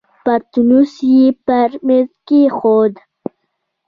پتنوس يې پر مېز کېښود.